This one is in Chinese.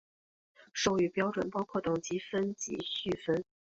授予标准包括等级分以及序分。